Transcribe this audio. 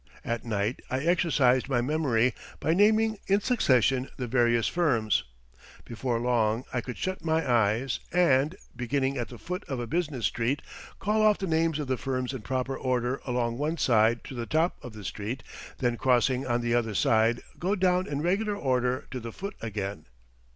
At night I exercised my memory by naming in succession the various firms. Before long I could shut my eyes and, beginning at the foot of a business street, call off the names of the firms in proper order along one side to the top of the street, then crossing on the other side go down in regular order to the foot again.